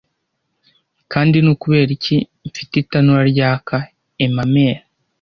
kandi ni ukubera iki mfite itanura ryaka emamel